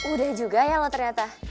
udah juga ya loh ternyata